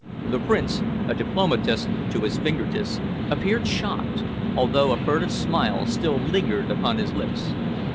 The Prince, a diplomatist to his fingertips, appeared shocked, although a furtive smile still lingered upon his lips.